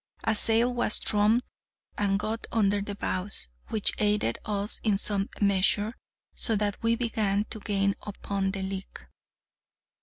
A sail was thrummed, and got under the bows, which aided us in some measure, so that we began to gain upon the leak.